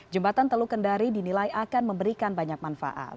jembatan teluk kendari dinilai akan memberikan banyak manfaat